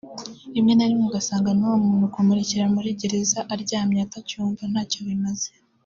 rimwe na rimwe ugasanga n’uwo muntu kumurekera muri gereza aryamye atacyumva ntacyo bimaze